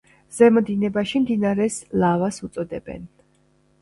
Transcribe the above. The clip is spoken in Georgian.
ზემო დინებაში, მდინარეს ლავას უწოდებენ.